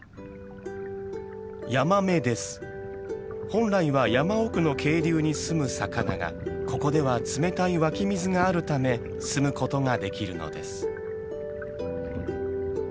本来は山奥の渓流にすむ魚がここでは冷たい湧き水があるためすむことができるのです。